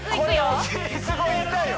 お尻すごい痛いよ